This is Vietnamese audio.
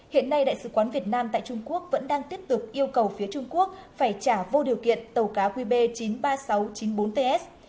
hiện nay đại sứ quán việt nam tại trung quốc vẫn đang tiếp tục yêu cầu phía trung quốc phải trả vô điều kiện tàu cá qb chín mươi ba nghìn sáu trăm chín mươi bốn ts